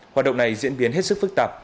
hoạt động này diễn biến hết sức phức tạp